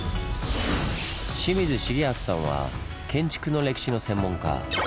清水重敦さんは建築の歴史の専門家。